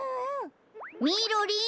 みろりん！